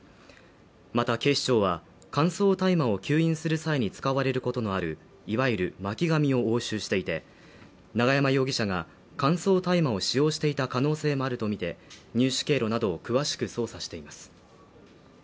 また警視庁は、乾燥大麻を吸引する際に使われることのある、いわゆる巻紙を押収していて、永山容疑者が、乾燥大麻を使用していた可能性もあるとみて、入手経路などを詳しく捜査しています。